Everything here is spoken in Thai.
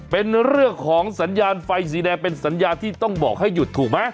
เป็นเรื่องของสัญญาณไฟสีแดงเป็นสัญญาณที่ต้องบอกให้หยุดถูกไหม